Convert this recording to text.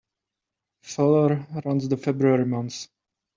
Feller runs the February months.